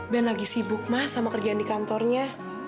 ben lagi sibuk mah sama kerjaan di kantornya